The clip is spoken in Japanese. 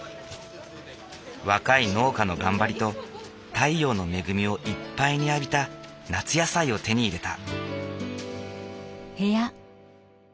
若い農家の頑張りと太陽の恵みをいっぱいに浴びた夏野菜を手に入れた。